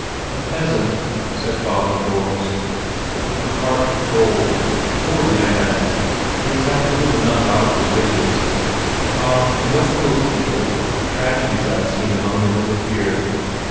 "A peasant," said Father Forbes, "but with a heart of gold. Poor man! he has had little enough out of his riches. Ah, the West Coast people, what tragedies I have seen among them over here!